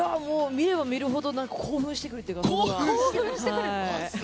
見れば見るほど興奮してくるというか。